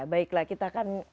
baiklah kita akan